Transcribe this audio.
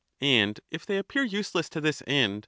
And if they appear useless to this end.